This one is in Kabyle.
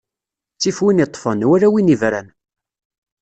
Ttif win iṭṭfen, wala win ibran.